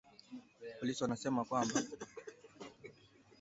Polisi wamesema kwamba